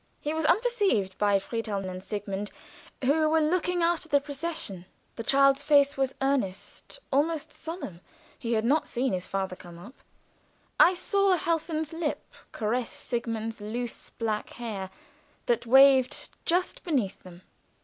He was unperceived by Friedhelm and Sigmund, who were looking after the procession. The child's face was earnest, almost solemn he had not seen his father come up. I saw Helfen's lip caress Sigmund's loose black hair that waved just beneath them.